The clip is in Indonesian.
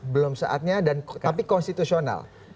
belum saatnya tapi konstitusional